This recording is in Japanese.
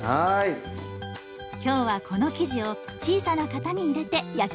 今日はこの生地を小さな型に入れて焼きます。